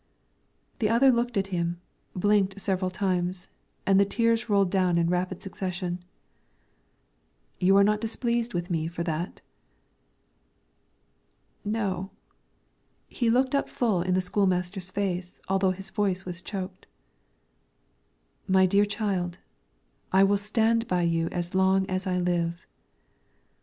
The other looked at him, blinked several times, and the tears rolled down in rapid succession. "You are not displeased with me for that?" "No;" he looked up full in the school master's face, although his voice was choked. "My dear child, I will stand by you as long as I live."